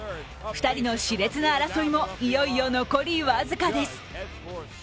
２人のしれつな争いもいよいよ残り僅かです。